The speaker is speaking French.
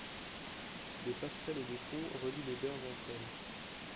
Des passerelles et des ponts relient les berges entre elles.